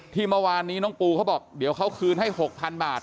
เมื่อวานนี้น้องปูเขาบอกเดี๋ยวเขาคืนให้๖๐๐๐บาท